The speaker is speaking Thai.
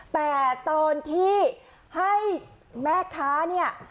แต่ตอนที่ให้แม็กซ์ค้า